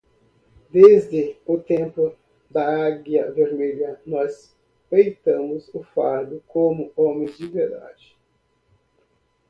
Desde o tempo da águia vermelha, nós peitamos o fardo como homens de verdade